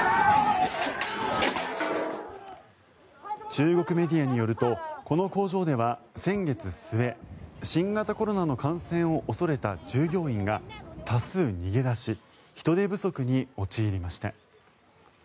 中国メディアによるとこの工場では先月末新型コロナの感染を恐れた従業員が多数逃げ出し人手不足に陥りました。